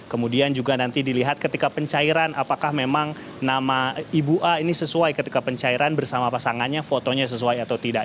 kemudian juga nanti dilihat ketika pencairan apakah memang nama ibu a ini sesuai ketika pencairan bersama pasangannya fotonya sesuai atau tidak